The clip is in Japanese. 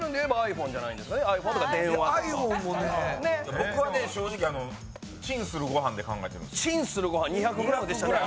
僕は正直、チンするご飯で考えているんです。